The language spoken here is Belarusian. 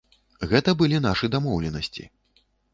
Гэта былі нашы дамоўленасці.